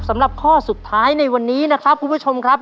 สำหรับข้อสุดท้ายในวันนี้นะครับคุณผู้ชมครับ